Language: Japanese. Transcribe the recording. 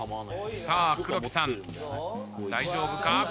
さあ黒木さん大丈夫か？